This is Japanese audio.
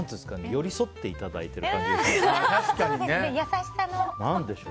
寄り添っていただいてる感じがしました。